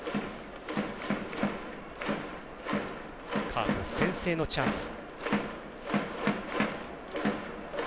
カープ、先制のチャンス。